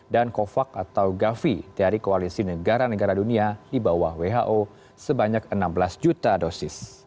dan covax atau gavi dari koalisi negara negara dunia di bawah who sebanyak enam belas juta dosis